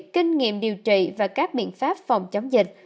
kinh nghiệm điều trị và các biện pháp phòng chống dịch